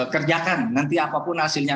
kerjakan nanti apapun hasilnya